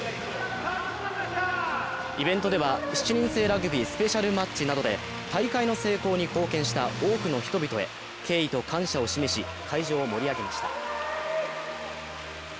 イベントでは７人制ラグビー・スペシャルマッチなどで大会の成功に貢献した多くの人々へ敬意と感謝を示し、会場を盛り上げました。